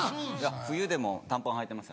冬でも短パンはいてますよ。